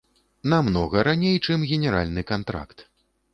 Намнога раней, чым генеральны кантракт.